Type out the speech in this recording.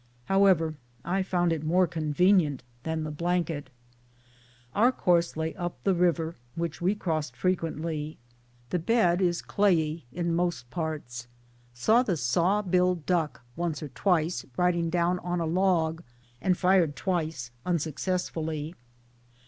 However, I found it more convenient than the blanket. Our course lay up the river, which we crossed frequently. The bed is clayey in most parts. Saw the sawbill duck once or twice riding down on a log and fired twice, unsuccessfully.